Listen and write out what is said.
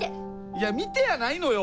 いや「見て」やないのよ